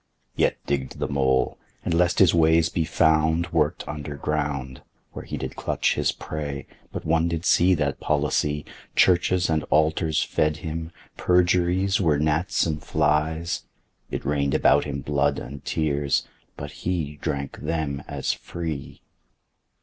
Yet digg'd the mole, and lest his ways be found Work'd under ground, Where he did clutch his prey, but one did see That policy, Churches and altars fed him, perjuries Were gnats and flies, It rain'd about him blood and tears, but he Drank them as free.